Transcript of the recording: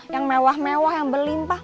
yang mewah mewah yang berlimpah